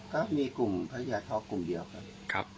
ก็มีกลุ่มพระยาท้อกลุ่มเดียวครับ